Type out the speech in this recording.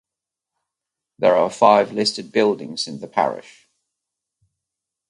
There are five listed buildings in the parish.